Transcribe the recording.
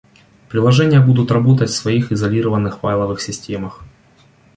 Приложения будут работать в своих изолированных файловых системах